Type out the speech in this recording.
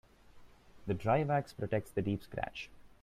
The dry wax protects the deep scratch.